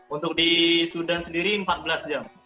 untuk di sudan sendiri empat belas jam